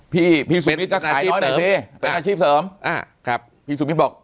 พี่พี่พี่ก็ขายน้อยหน่อยสิเป็นอาชีพเสริมอ่าครับพี่บอก